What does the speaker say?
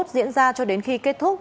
diễn ra cho đến khi kết thúc